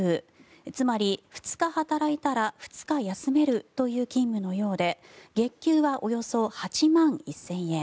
つまり、２日働いたら２日休めるという勤務のようで月給はおよそ８万１０００円。